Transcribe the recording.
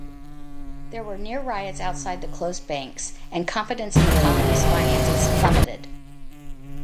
There were near-riots outside the closed banks, and confidence in the colony's finances plummeted.